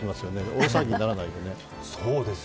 大騒ぎにならないようにね。